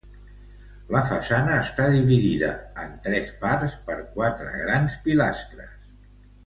La façana està dividida en tres parts per quatre grans pilastres.